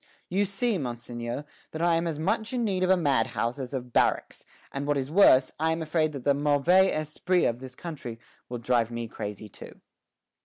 "You see, Monseigneur, that I am as much in need of a madhouse as of barracks; and what is worse, I am afraid that the mauvais esprit of this country will drive me crazy too."